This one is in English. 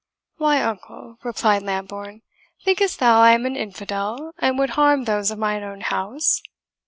"Why, uncle," replied Lambourne, "think'st thou I am an infidel, and would harm those of mine own house?"